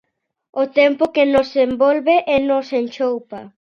O tempo que nos envolve e nos enchoupa.